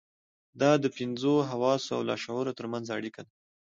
دا د پنځو حواسو او لاشعور ترمنځ اړيکه ده.